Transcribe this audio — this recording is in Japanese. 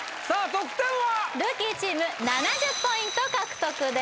得点はルーキーチーム７０ポイント獲得です